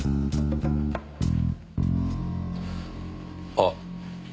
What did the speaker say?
あっ。